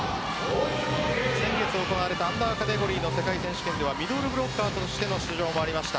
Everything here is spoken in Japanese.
先月行われたアンダーカテゴリーの世界選手権ではミドルブロッカーとしての出場もありました